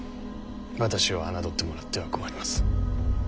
私を侮ってもらっては困ります。